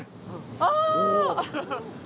ああ！